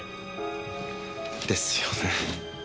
ですよね。